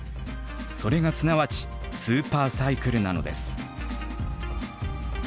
それがすなわち「スーパーサイクル」なのです。